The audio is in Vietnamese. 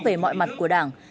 về mọi mặt của đảng